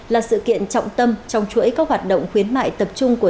là sự kiện trọng tâm trong chuỗi các hoạt động khuyến mại hà nội